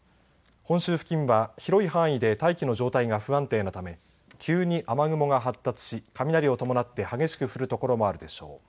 本州付近は広い範囲で大気の状態が不安定なため急に雨雲が発達し雷を伴って激しく降る所もあるでしょう。